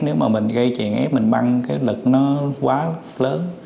nếu mà mình gây chèn ép mình băng cái lực nó quá lớn